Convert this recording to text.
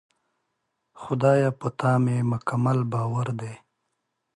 خدایه! په تا مې مکمل باور دی.